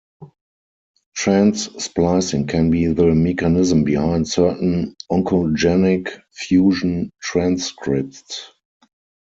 Trans-splicing can be the mechanism behind certain oncogenic fusion transcripts.